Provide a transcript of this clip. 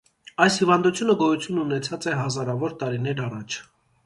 Այս հիւանդութիւնը գոյութիւն ունեցած է հազարաւոր տարիներ առաջ։